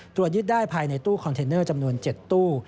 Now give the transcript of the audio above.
ตรวจยึดได้ภายในตู้คอนเทนเนอร์จำนวน๗ตู้